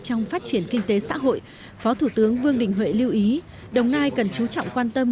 trong phát triển kinh tế xã hội phó thủ tướng vương đình huệ lưu ý đồng nai cần chú trọng quan tâm